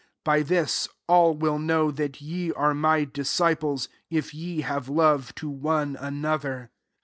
35 By this, all will know that ye are my disciples, if ye have love to one another."